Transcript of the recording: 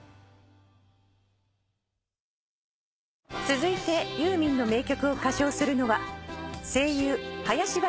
［続いてユーミンの名曲を歌唱するのは］